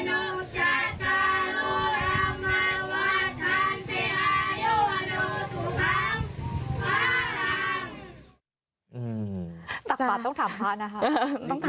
อืม